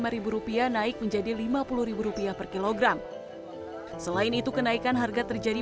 lima ribu rupiah naik menjadi lima puluh rupiah per kilogram selain itu kenaikan harga terjadi